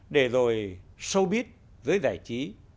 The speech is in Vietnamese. để rồi showbiz với giải trí